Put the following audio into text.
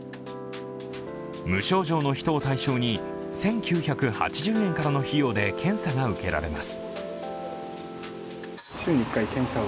無症状の人を対象に、１９８０円からの費用で検査が受けられます。